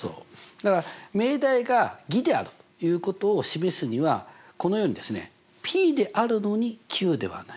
だから命題が偽であるということを示すにはこのようにですね「ｐであるのにｑではない」。